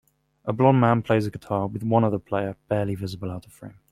A blond man plays guitar with one other player barely visible out of frame.